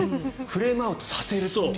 フレームアウトさせるという。